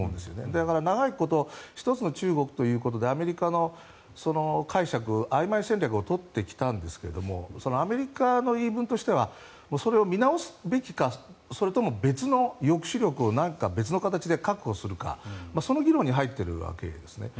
だから長いこと一つの中国ということでアメリカの解釈はあいまい戦略を取ってきたんですがアメリカの言い分としてはそれを見直すべきかそれとも別の抑止力を、別の形で確保するか、その議論に入っているわけですね。